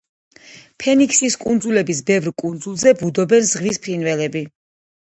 ფენიქსის კუნძულების ბევრ კუნძულზე ბუდობენ ზღვის ფრინველები.